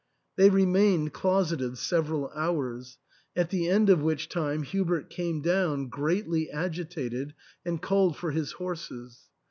They remained closeted several hours, at the end of which time Hubert came down, greatly agitated, and called for his horses.